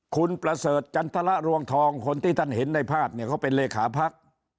คุณประเสริฐจันทรรวงทองคนที่ท่านเห็นในภาพเนี่ยเขาเป็นเลขาพัก